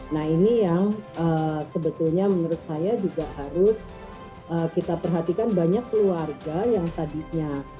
nah ini yang sebetulnya menurut saya juga harus kita perhatikan banyak keluarga yang tadinya